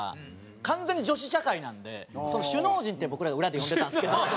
完全に女子社会なんで首脳陣って僕ら裏で呼んでたんですけど。